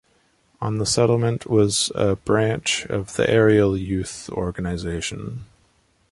On the settlement was a branch of the Ariel youth organization.